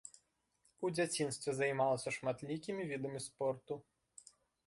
У дзяцінстве займалася шматлікімі відамі спорту.